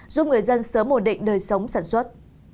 giúp người dân sớm ổn định đời sống sản xuất